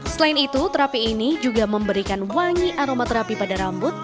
selain itu terapi ini juga memberikan wangi aromaterapi pada rambut